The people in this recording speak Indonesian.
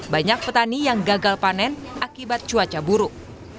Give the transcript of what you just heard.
banyak petani yang gagal panen akibat cuaca buruk